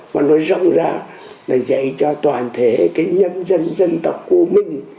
mà nó rộng ra là dạy cho toàn thể cái nhân dân dân tộc của mình